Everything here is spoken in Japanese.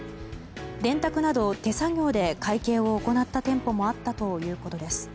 電卓など手作業で会計を行った店舗もあったということです。